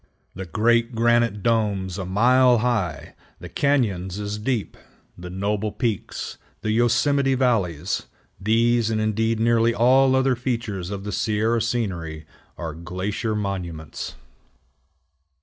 The great granite domes a mile high, the cañons as deep, the noble peaks, the Yosemite valleys, these, and indeed nearly all other features of the Sierra scenery, are glacier monuments.